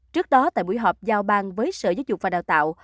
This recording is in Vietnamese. trước đó tại buổi họp giao bang với sở giáo dục và đào tạo